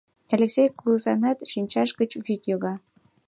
Элексей кугызанат шинчаж гыч вӱд йога.